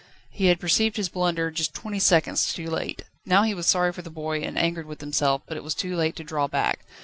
He had perceived his blunder, just twenty seconds too late. Now he was sorry for the boy and angered with himself, but it was too late to draw back.